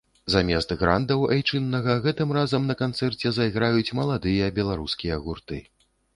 Замест грандаў айчыннага гэтым разам на канцэрце зайграюць маладыя беларускія гурты.